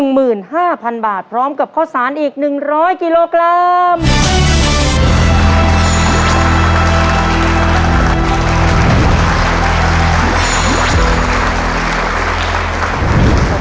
๑๕๐๐๐บาทพร้อมกับข้าวสารอีก๑๐๐กิโลกรัม